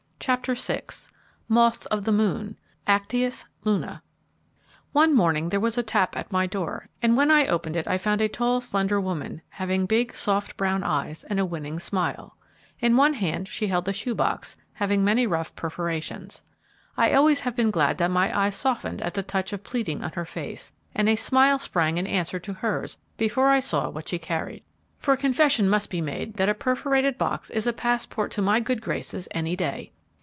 CHAPTER VI Moths of the Moon: Actias Luna One morning there was a tap at my door, and when I opened it I found a tall, slender woman having big, soft brown eyes, and a winning smile. In one hand she held a shoe box, having many rough perforations. I always have been glad that my eyes softened at the touch of pleading on her face, and a smile sprang in answer to hers before I saw what she carried. For confession must be made that a perforated box is a passport to my good graces any day.